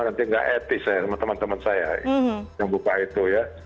nanti nggak etis teman teman saya yang buka itu ya